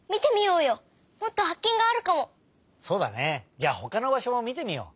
じゃあほかのばしょもみてみよう。